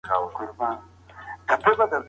راټول سوي معلومات د تحلیل لپاره مرتب کیږي.